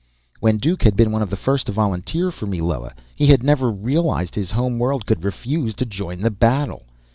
When Duke had been one of the first to volunteer for Meloa, he had never realized his home world could refuse to join the battle.